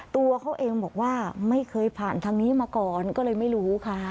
ตัวเขาเองบอกว่าไม่เคยผ่านทางนี้มาก่อนก็เลยไม่รู้ค่ะ